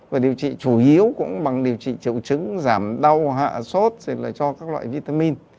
và điều trị chủ yếu cũng bằng điều trị chậu trứng giảm đau hạ sốt cho các loại vitamin